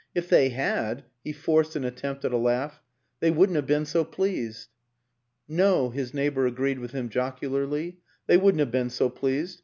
If they had " he forced an at tempt at a laugh " they wouldn't have been so pleased." " No," his neighbor agreed with him jocularly; " they wouldn't have been so pleased.